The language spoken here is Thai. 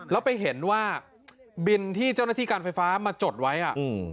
แล้วไปเห็นว่าบินที่เจ้าหน้าที่การไฟฟ้ามาจดไว้อ่ะอืม